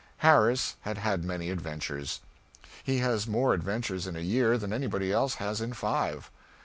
Harris has had many adventures. He has more adventures in a year than anybody else has in five.